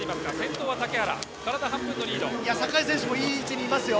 坂井選手もいい位置にいますよ。